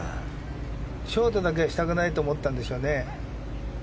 ショートだけはしたくないと思ったんでしょうね。